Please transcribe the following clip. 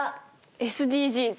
ＳＤＧｓ！